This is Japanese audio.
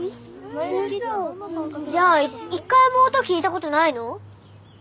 じゃあ一回も音聞いたことないの？